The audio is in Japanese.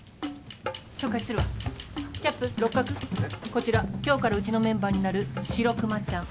こちら今日からうちのメンバーになる白熊ちゃん。